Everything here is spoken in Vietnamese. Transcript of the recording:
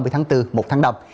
tháng bốn một tháng đồng